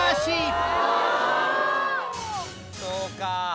そうか！